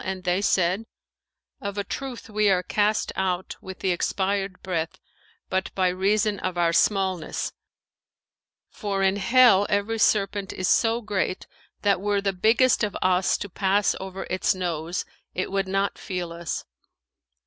and they said, 'Of a truth we are cast out with the expired breath but by reason of our smallness; for in Hell every serpent is so great, that were the biggest of us to pass over its nose it would not feel us.